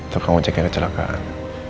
tukang ojeknya kecelakaan